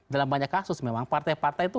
dalam banyak kasus memang partai partai itu